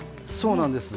そうなんです。